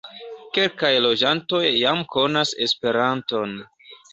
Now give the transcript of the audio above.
Kelkaj loĝantoj jam konas Esperanton.